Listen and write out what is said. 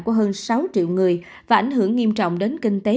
của hơn sáu triệu người và ảnh hưởng nghiêm trọng đến kinh tế